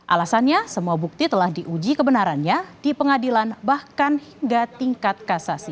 alasannya semua bukti telah diuji kebenarannya di pengadilan bahkan hingga tingkat kasasi